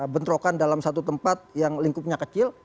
bentrokan dalam satu tempat yang lingkupnya kecil